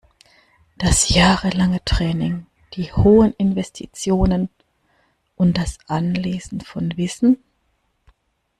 Das jahrelange Training, die hohen Investitionen und das Anlesen von Wissen?